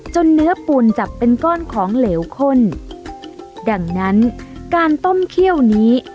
เนื้อปูนจับเป็นก้อนของเหลวข้นดังนั้นการต้มเขี้ยวนี้